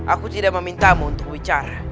aku tidak memintamu untuk bicara